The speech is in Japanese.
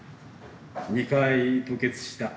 ２回吐血した。